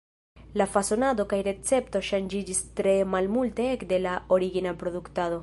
La fasonado kaj recepto ŝanĝiĝis tre malmulte ekde la origina produktado.